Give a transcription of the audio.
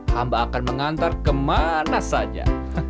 hamba akan mengantar kemana saja